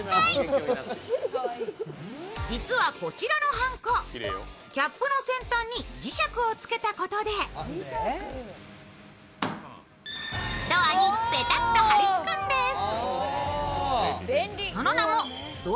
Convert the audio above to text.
実はこちらのはんこ、キャップの先端に磁石をつけたことでドアにペタッと張り付くんです。